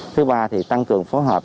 thứ ba thì tăng cường phối hợp